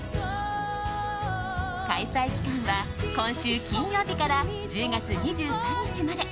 開催期間は今週金曜日から１０月２３日まで。